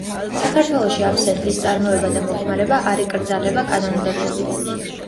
საქართველოში აბსენთის წარმოება და მოხმარება არ იკრძალება კანონმდებლობით.